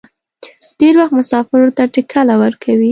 ډېر وخت مسافرو ته ټکله ورکوي.